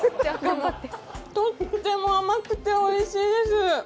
とっても甘くて、おいしいです。